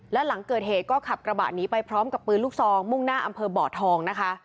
และหลังเกิดเหตุก็ขับกระบะหนีไปพร้อมกับปืนลูกซองมุ่งหน้าอำเภอบ่อทองนะคะ